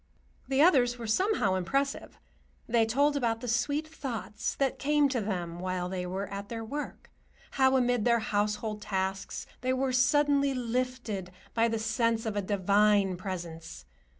The others were somehow impressive. They told about the sweet thoughts that came to them while they were at their work; how, amid their household tasks, they were suddenly lifted by the sense of a divine Presence.